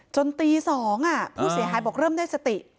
จนตี๒ผู้เสียหายบอกเริ่มได้สติ